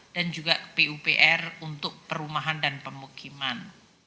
dan juga pupr untuk perumahan dan pemukiman